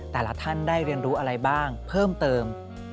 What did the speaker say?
แต่ละท่านได้เรียนรู้อะไรบ้างเพิ่มเติม